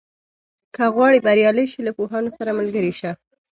که غواړې بریالی شې، له پوهانو سره ملګری شه.